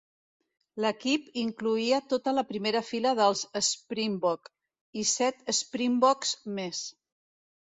L'equip incloïa tota la primera fila dels Springbok i set Springboks més.